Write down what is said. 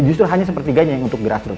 justru hanya sepertiganya yang untuk grassroot